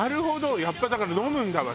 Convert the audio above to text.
やっぱだから飲むんだわ